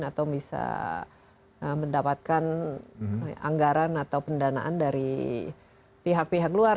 atau bisa mendapatkan anggaran atau pendanaan dari pihak pihak luar